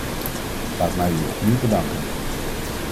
Laat mij u opnieuw bedanken.